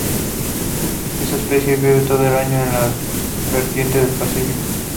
Esta especie vive todo el año en la vertiente del Pacífico.